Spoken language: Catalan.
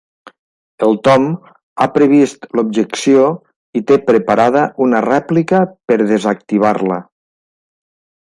El Tom ha previst l'objecció i té preparada una rèplica per desactivar-la.